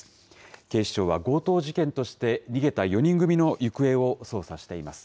警視庁は強盗事件として逃げた４人組の行方を捜査しています。